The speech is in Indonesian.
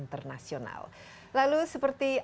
sebuah bangsa ke dalam budaya dunia